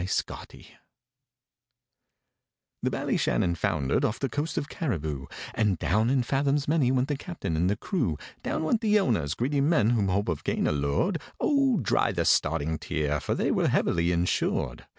THE Ballyshannon foundered off the coast of Cariboo, And down in fathoms many went the captain and the crew; Down went the owners—greedy men whom hope of gain allured: Oh, dry the starting tear, for they were heavily insured.